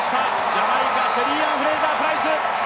ジャマイカ、シェリーアン・フレイザープライス！